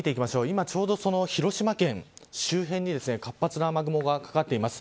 今ちょうど、その広島県周辺に活発な雨雲がかかっています。